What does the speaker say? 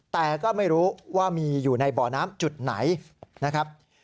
แต่ก็ไม่รู้ว่ามีอยู่ในบ่อน้ำจุดไหนนะครับ